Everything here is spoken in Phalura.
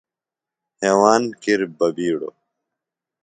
ہیواند کِر بہ بِیڈوۡ